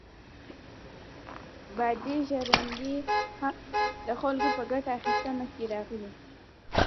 بادي ژرندې هم د خلکو په ګټه اخیستنه کې راغلې.